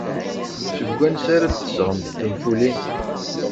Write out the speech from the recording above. Seg wansi ara d-tesɣemt tinfulin?